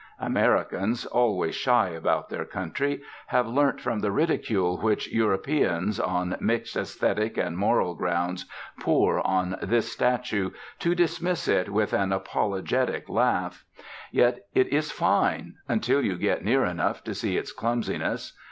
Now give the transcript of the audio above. Americans, always shy about their country, have learnt from the ridicule which Europeans, on mixed aesthetic and moral grounds, pour on this statue, to dismiss it with an apologetic laugh. Yet it is fine until you get near enough to see its clumsiness.